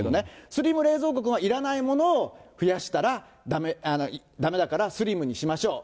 スリム冷蔵庫くんはいらないものを増やしたらだめだからスリムにしましょう。